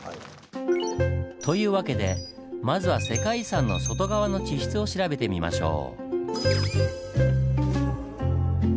というわけでまずは世界遺産の外側の地質を調べてみましょう。